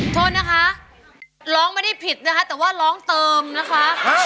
โทษนะคะร้องไม่ได้ผิดนะคะแต่ว่าร้องเติมนะคะ